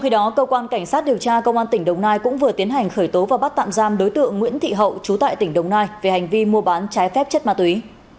hành khởi tố và bắt tạm giam đối tượng nguyễn thị hậu trú tại tỉnh đồng nai về hành vi mua bán trái phép chất ma túy